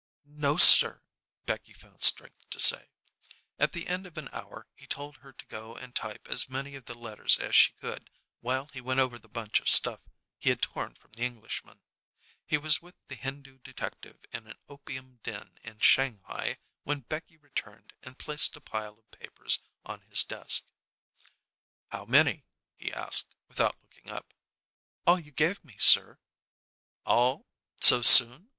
"No, sir," Becky found strength to say. At the end of an hour he told her to go and type as many of the letters as she could while he went over the bunch of stuff he had torn from the Englishman. He was with the Hindu detective in an opium den in Shanghai when Becky returned and placed a pile of papers on his desk. "How many?" he asked, without looking up. "All you gave me, sir." "All, so soon?